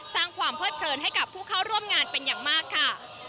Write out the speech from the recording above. สร้างความเพิดเพลินให้กับผู้เข้าร่วมงานเป็นอย่างมากค่ะ